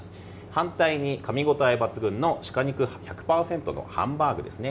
反対に、かみ応え抜群の鹿肉１００％のハンバーグですね。